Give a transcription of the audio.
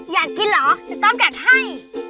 อยากกินเหรอเดี๋ยวต้อมกัดให้